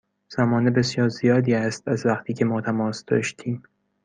زمان بسیار زیادی است از وقتی که ما تماس داشتیم.